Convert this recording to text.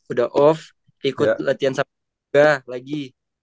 udah off ikut latihan sampai tiga lagi